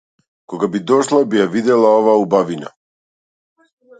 Кога би дошла би ја видела оваа убавина.